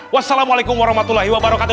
wassalamualaikum warahmatullahi wabarakatuh